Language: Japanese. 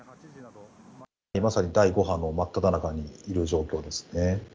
まさに第５波の真っただ中にいる状況ですね。